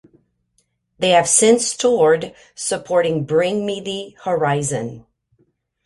They have since toured supporting Bring Me the Horizon.